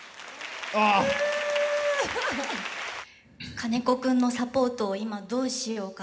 「金子君のサポートを今どうしようかと」。